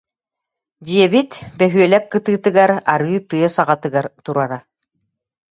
Дьиэбит бөһүөлэк кытыытыгар, арыы тыа саҕатыгар турара